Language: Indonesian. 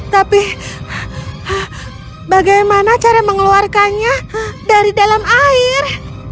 tapi bagaimana cara mengeluarkannya dari dalam air